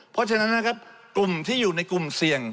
เพราะฉะนั้นนะครับกลุ่มที่อยู่ในกลุ่มเสี่ยง